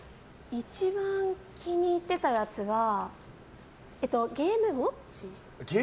一番気に入ってたやつはゲームウォッチ？